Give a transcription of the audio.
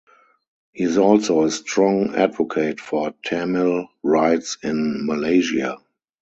He is also a strong advocate for Tamil rights in Malaysia.